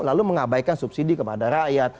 lalu mengabaikan subsidi kepada rakyat